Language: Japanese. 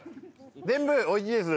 全部おいしいです。